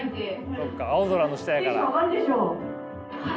そっか青空の下やから。